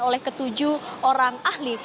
oleh ketujuh orang ahli